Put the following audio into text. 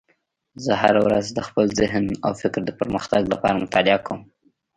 زه هره ورځ د خپل ذهن او فکر د پرمختګ لپاره مطالعه کوم